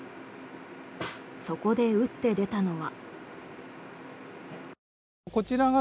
そこで打って出たのは。